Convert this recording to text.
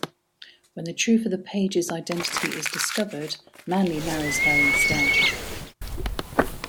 When the truth of the page's identity is discovered, Manly marries her instead.